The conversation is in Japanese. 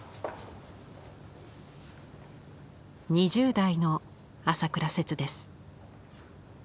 ２０代の朝倉摂です。